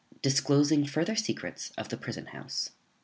_Disclosing further secrets of the prison house.